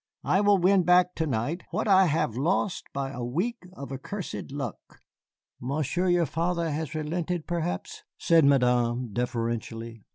I will win back to night what I have lost by a week of accursed luck." "Monsieur your father has relented, perhaps," said Madame, deferentially.